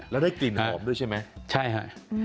แล้วได้กลิ่นหอมด้วยใช่ไหมใช่ค่ะ